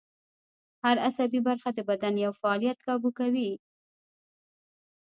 هر عصبي برخه د بدن یو فعالیت کابو کوي